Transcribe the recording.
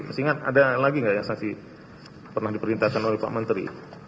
masih ingat ada lagi nggak yang saksi pernah diperintahkan oleh pak menteri